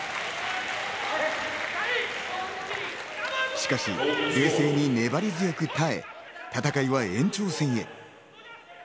しかし、冷静に粘り強く耐え、戦いは延長戦へ。